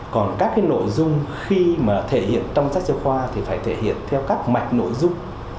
còn các nội dung khi mà thể hiện trong sách giáo khoa thì phải thể hiện theo các mạch nội dung